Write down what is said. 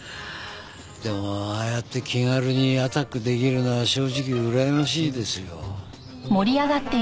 でもああやって気軽にアタック出来るのは正直うらやましいですよ。